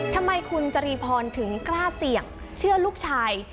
ทำไมคุณจรีพรถึงกล้าเสี่ยงเชื่อลูกชาย